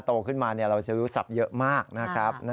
โตขึ้นมาเราจะรู้ศัพท์เยอะมากนะครับ